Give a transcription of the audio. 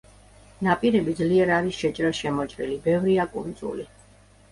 ნაპირები ძლიერ არის შეჭრილ-შემოჭრილი, ბევრია კუნძული.